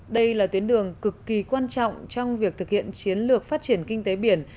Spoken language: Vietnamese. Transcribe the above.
đây là tuyến đường cực kỳ quan trọng trong việc thực hiện chiến lược phát triển kinh tế biển